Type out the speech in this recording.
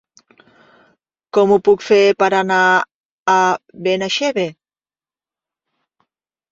Com ho puc fer per anar a Benaixeve?